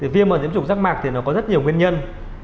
viêm và nhiễm trùng rác mạc thì nó có rất nhiều nguyên nhân